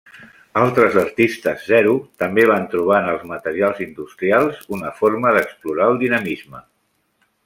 Altres artistes Zero també van trobar en els materials industrials una forma d’explorar el dinamisme.